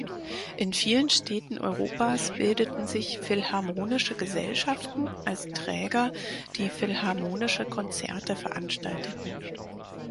In vielen Städten Europas bildeten sich „philharmonische Gesellschaften“ als Träger, die „philharmonische Konzerte“ veranstalteten.